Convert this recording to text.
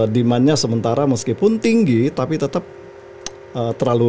demandnya sementara meskipun tinggi tapi tetap terlalu apa